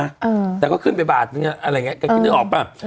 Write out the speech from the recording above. เออแต่ก็ขึ้นไปบาทเนี้ยอะไรอย่างเงี้ยก็คิดนึกออกป่ะอืม